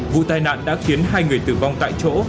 vụ tai nạn đã khiến hai người tử vong tại chỗ